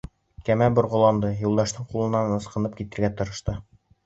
Кәмә борғоланды, Юлдаштың ҡулынан ысҡынып китергә тырышты.